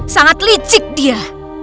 sangat licik dia